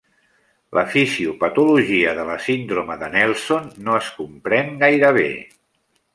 La fisiopatologia de la síndrome de Nelson no es comprèn gaire bé.